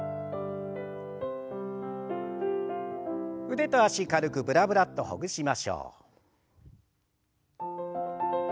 腕と脚軽くブラブラッとほぐしましょう。